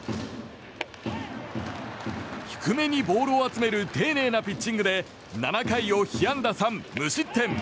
低めにボールを集める丁寧なピッチングで７回を被安打３無失点。